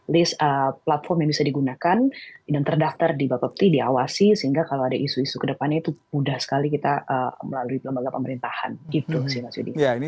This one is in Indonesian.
list platform yang bisa digunakan dan terdaftar di bapepti diawasi sehingga kalau ada isu isu ke depannya itu mudah sekali kita melalui lembaga pemerintahan gitu sih mas yudi